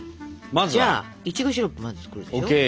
じゃあいちごシロップをまず作るでしょ？ＯＫ。